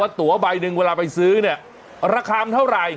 ตัวใบหนึ่งเวลาไปซื้อเนี่ยราคามันเท่าไหร่